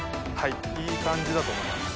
いい感じだと思います。